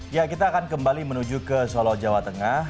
ya kita akan kembali menuju ke solo jawa tengah